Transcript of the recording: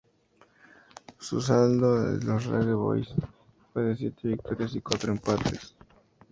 Su saldo en los Reggae Boyz fue de siete victorias y cuatro empates.